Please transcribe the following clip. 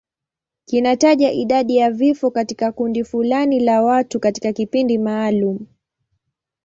Kinataja idadi ya vifo katika kundi fulani la watu katika kipindi maalum.